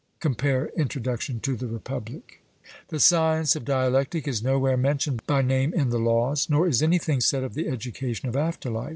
(Compare Introduction to the Republic.) The science of dialectic is nowhere mentioned by name in the Laws, nor is anything said of the education of after life.